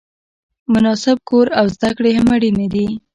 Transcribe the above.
مناسب کور او زده کړې هم اړینې دي.